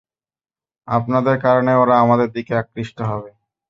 আপনাদের কারণে ওরা আমাদের দিকে আকৃষ্ট হবে।